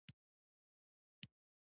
د دوي وزې درې مرغومي زيږولي دي